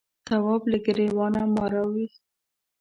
تواب له گرېوانه مار راوایست.